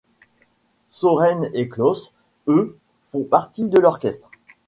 Søren et Claus, eux, font partie de l'orchestre.